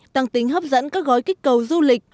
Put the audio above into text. tăng tính hấp dẫn các gói kích cầu du lịch